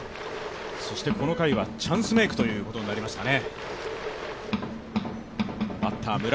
そしてこの回はチャンスメークということになりましたね。